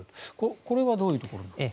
これはどういうところですか？